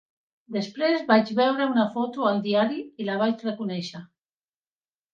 Després vaig veure una foto al diari i la vaig reconèixer.